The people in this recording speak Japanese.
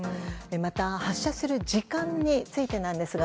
また発射する時間についてなんですが